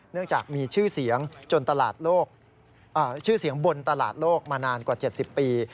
เนื่องจากมีชื่อเสียงบนตลาดโลกมานานกว่า๗๐ปี